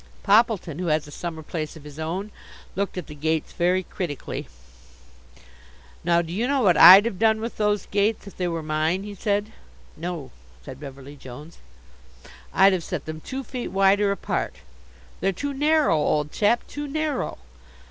Poppleton, who has a summer place of his own, looked at the gates very critically. "Now, do you know what I'd have done with those gates, if they were mine?" he said. "No," said Beverly Jones. "I'd have set them two feet wider apart; they're too narrow, old chap, too narrow."